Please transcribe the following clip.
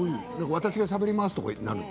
私がしゃべりますということになるの？